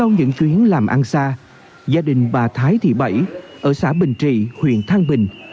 vào một đường chuyến làm ăn xa gia đình bà thái thị bảy ở xã bình trị huyện thang bình